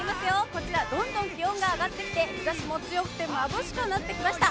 こちら、どんどん気温が上がってきて日差しも強くてまぶしくなってきました。